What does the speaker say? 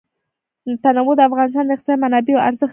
تنوع د افغانستان د اقتصادي منابعو ارزښت زیاتوي.